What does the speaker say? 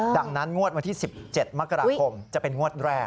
ดังนั้นงวดวันที่๑๗มกราคมจะเป็นงวดแรก